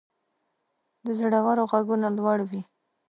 د زړورو ږغونه لوړ وي.